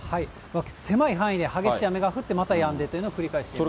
狭い範囲で激しい雨が降って、またやんでというのを繰り返しています。